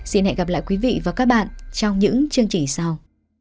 xin hẹn gặp lại quý vị và các bạn trong những chương trình sau